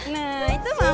nah itu mama